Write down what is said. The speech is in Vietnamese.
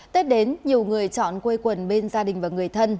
tết đến nhiều người chọn quê quần bên gia đình và người thân